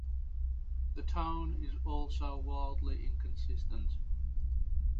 The tone is also wildly inconsistent.